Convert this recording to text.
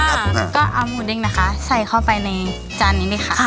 ก็เอามูด์เด้งนะคะใส่เข้าไปในจานนี้ค่ะ